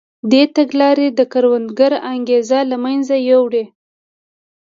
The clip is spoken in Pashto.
دې تګلارې د کروندګر انګېزه له منځه یووړه.